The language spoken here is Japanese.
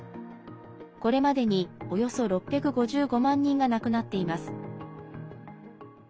これまでに、およそ６５５万人が亡くなっています。